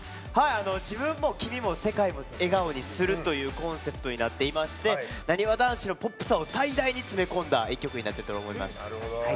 自分も君も世界も笑顔にするというコンセプトになっていましてなにわ男子のポップさを最大に詰め込んだ一曲になってると思います。